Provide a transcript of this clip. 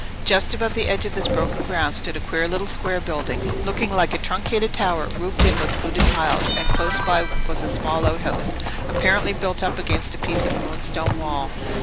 Just above the edge of this broken ground stood a queer little square building, looking like a truncated tower roofed in with fluted tiles, and close by was a small outhouse, apparently built up against a piece of ruined stone wall.